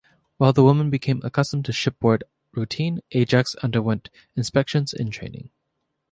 While the women became accustomed to shipboard routine, "Ajax" underwent inspections and training.